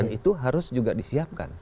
dan itu harus juga disiapkan